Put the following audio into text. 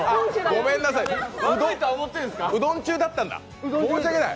ごめんなさい、うどん中だったんだ、申し訳ない。